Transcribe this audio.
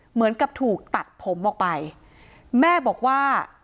เหมือนกับถูกตัดผมออกไปแม่บอกว่า